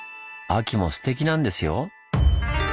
秋もすてきなんですよ。